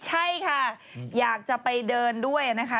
ใช่ค่ะอยากจะไปเดินด้วยนะคะ